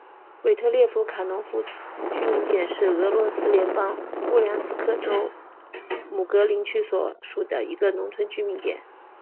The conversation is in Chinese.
韦特列夫卡农村居民点是俄罗斯联邦布良斯克州姆格林区所属的一个农村居民点。